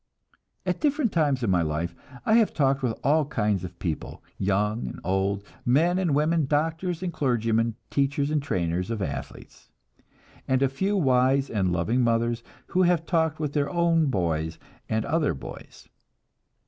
At different times in my life I have talked with all kinds of people, young and old, men and women, doctors and clergymen, teachers and trainers of athletes, and a few wise and loving mothers who have talked with their own boys and other boys.